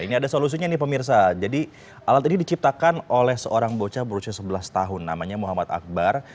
ini ada solusinya nih pemirsa jadi alat ini diciptakan oleh seorang bocah berusia sebelas tahun namanya muhammad akbar